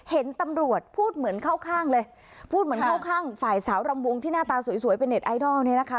เห็นตำรวจพูดเหมือนเข้าข้างเลยพูดเหมือนเข้าข้างฝ่ายสาวรำวงที่หน้าตาสวยเป็นเน็ตไอดอลเนี่ยนะคะ